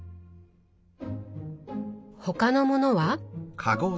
他のものは？